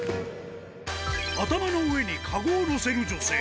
頭の上に籠を載せる女性。